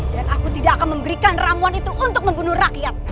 dan aku tidak akan memberikan ramuan itu untuk membunuh rakyat